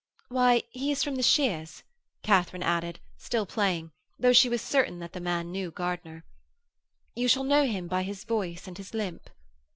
'Why, he is from the Sheeres,' Katharine added, still playing, though she was certain that the man knew Gardiner. 'You shall know him by his voice and his limp.'